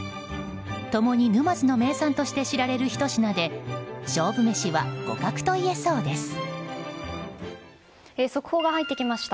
共に沼津の名産として知られるひと品で速報が入ってきました。